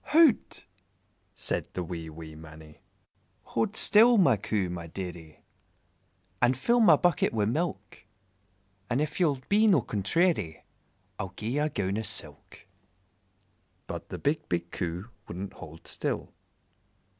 "Hout!" said the wee, wee Mannie "Hold still, my Coo, my dearie, And fill my bucket wi' milk, And if ye 'll be no contrairy I'll gi'e ye a gown o' silk." But the big, big Coo wouldn't hold still.